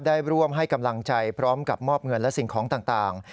ได้ร่วมให้กำลังใจพร้อมกับมอบเงินและสิ่งของต่าง